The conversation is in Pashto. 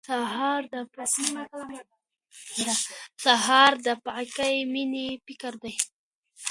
سهار د پاکې مېنې فکر دی.